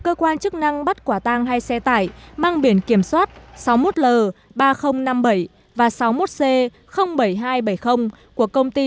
cơ quan chức năng bắt quả tang hai xe tải mang biển kiểm soát sáu mươi một l ba nghìn năm mươi bảy và sáu mươi một c bảy nghìn hai trăm bảy mươi của công ty